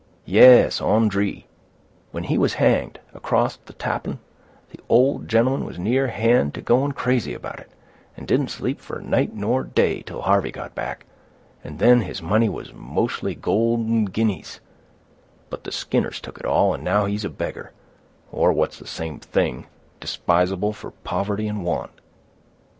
"Yes, Ondree; when he was hanged, acrost the Tappan, the old gentleman was near hand to going crazy about it, and didn't sleep for night nor day, till Harvey got back; and then his money was mostly golden guineas; but the Skinners took it all, and now he is a beggar, or, what's the same thing, despisable for poverty and want."